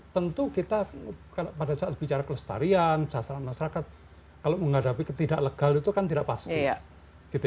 tentu kita pada saat bicara kelestarian sasaran masyarakat kalau menghadapi ketidak legal itu kan tidak pasti